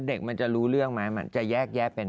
ไม่เด็กมันจะรู้เรื่องไหมมันจะแยกเป็นไหม